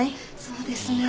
そうですね。